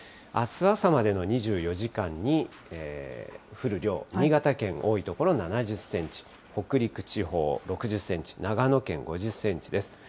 あす朝までの２４時間に降る量、新潟県、多い所７０センチ、北陸地方６０センチ、長野県５０センチです。